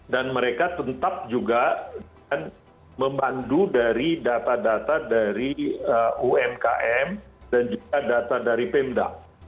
dan mereka tetap juga akan membandu dari data data dari umkm dan juga data dari pemda